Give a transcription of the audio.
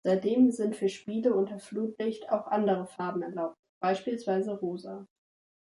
Seitdem sind für Spiele unter Flutlicht auch andere Farben erlaubt, beispielsweise Rosa.